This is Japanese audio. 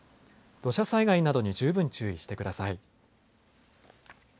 土砂災害などに十分注意してください。